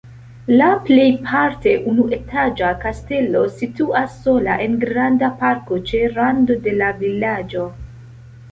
La plejparte unuetaĝa kastelo situas sola en granda parko ĉe rando de la vilaĝo.